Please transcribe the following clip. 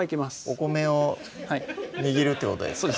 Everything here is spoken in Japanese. お米を握るってことですか？